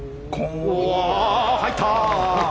入った！